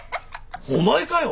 お前かよ！